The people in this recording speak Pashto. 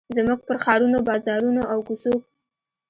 زموږ پر ښارونو، بازارونو، او کوڅو